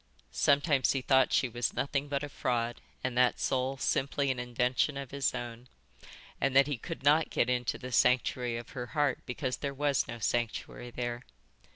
Sometimes he thought she was nothing but a fraud, and that soul simply an invention of his own, and that he could not get into the sanctuary of her heart because there was no sanctuary there.